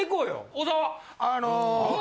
小沢。